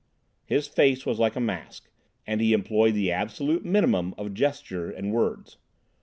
His face was like a mask, and he employed the absolute minimum of gesture and words.